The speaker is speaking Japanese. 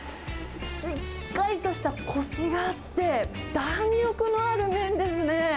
しっかりとしたこしがあって、弾力のある麺ですね。